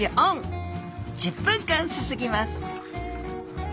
１０分間すすぎます。